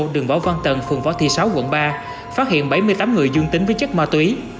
đường võ văn tần phường võ thị sáu quận ba phát hiện bảy mươi tám người dương tính với chất ma túy